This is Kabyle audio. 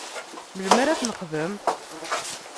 Melmi ara ad t-nexdem?